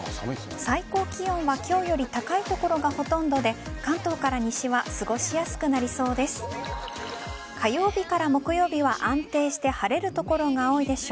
最高気温は今日より高い所がほとんどで関東から西は過ごしやすくなりそうです。